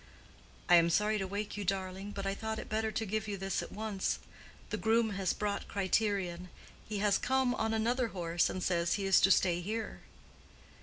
"I am sorry to wake you, darling, but I thought it better to give you this at once. The groom has brought Criterion; he has come on another horse, and says he is to stay here."